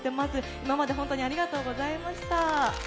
今まで本当にありがとうございました。